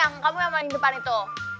jason kamu yang paling depan itu